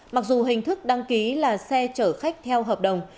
mặc dù hình thức đăng ký là xe chở khách theo hợp đồng